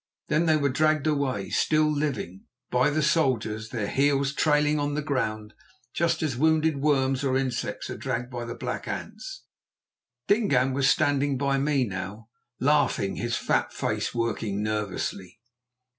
Then they were dragged away, still living, by the soldiers, their heels trailing on the ground, just as wounded worms or insects are dragged by the black ants. Dingaan was standing by me now, laughing, his fat face working nervously.